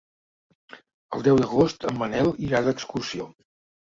El deu d'agost en Manel irà d'excursió.